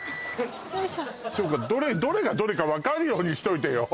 よいしょどれがどれか分かるようにしといてよ